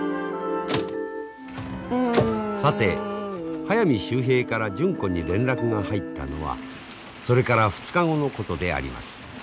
さて速水秀平から純子に連絡が入ったのはそれから２日後のことであります。